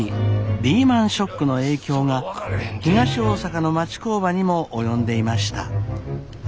リーマンショックの影響が東大阪の町工場にも及んでいました。